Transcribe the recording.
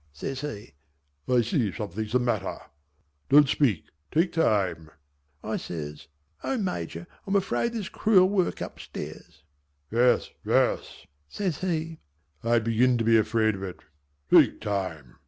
says he, "I see something's the matter. Don't speak take time." I says "O Major I'm afraid there's cruel work up stairs." "Yes yes" says he "I had begun to be afraid of it take time."